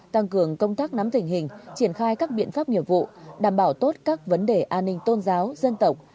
tăng cường công tác nắm tình hình triển khai các biện pháp nghiệp vụ đảm bảo tốt các vấn đề an ninh tôn giáo dân tộc